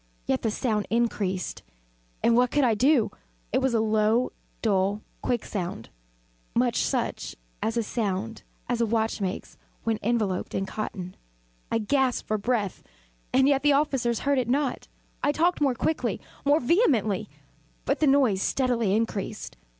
Yet the sound increased and what could I do? It was a low, dull, quick sound much such a sound as a watch makes when enveloped in cotton. I gasped for breath and yet the officers heard it not. I talked more quickly more vehemently; but the noise steadily increased.